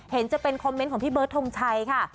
เห็นจะเป็นคอมเมนต์ของพี่เบิร์ดทงชัยค่ะ